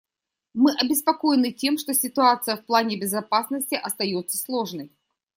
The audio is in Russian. Мы обеспокоены тем, что ситуация в плане безопасности остается сложной.